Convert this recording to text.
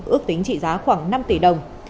ước tính trị giá khoảng năm tỷ đồng